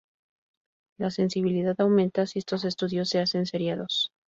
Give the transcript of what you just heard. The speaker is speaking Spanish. La sensibilidad aumenta si estos estudios se hacen seriados.